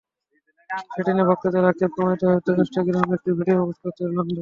সেটি নিয়ে ভক্তদের আক্ষেপ কমাতেই হয়তো, ইনস্টাগ্রামে একটি ভিডিও পোস্ট করেছেন রোনালদো।